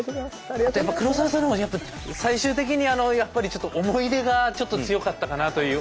あとやっぱ黒沢さんのほうは最終的にやっぱりちょっと思い出がちょっと強かったかなという。